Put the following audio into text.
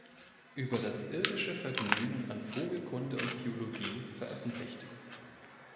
Über das irdische Vergnügen an Vogelkunde und Biologie" veröffentlicht.